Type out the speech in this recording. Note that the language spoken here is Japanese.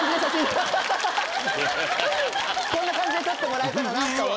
こんな感じで撮ってもらえたらなと思って。